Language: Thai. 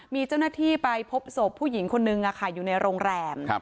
มีเจ้าหน้าที่ไปพบศพผู้หญิงคนนึงอยู่ในโรงแรม